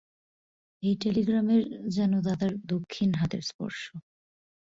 এই টেলিগ্রামের যেন দাদার দক্ষিণ হাতের স্পর্শ।